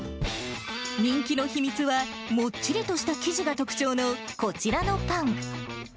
人気の秘密は、もっちりとした生地が特徴のこちらのパン。